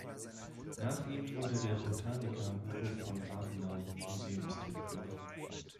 Nach ihm wurde der Botaniker Hugo von Rabenau Museumsdirektor.